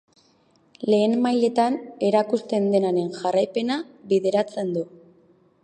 Lehen mailetan erakusten denaren jarraipena bideratzen du.